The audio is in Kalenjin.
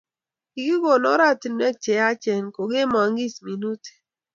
Kikokon oratinwek che yachen kokemongkis minutik